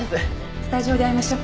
スタジオで会いましょう。